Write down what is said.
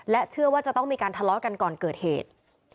เชื่อว่าจะต้องมีการทะเลาะกันก่อนเกิดเหตุ